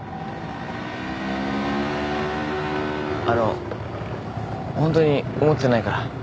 あのホントに思ってないから。